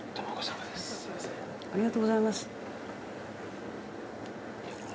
ありがとうございます。